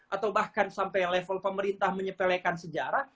atau bahkan sampai level pemerintah menyepelekan sejarah